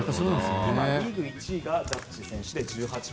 リーグ１位がジャッジ選手、１８本。